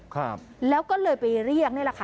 ครับแล้วก็เลยไปเรียกนี่แหละค่ะ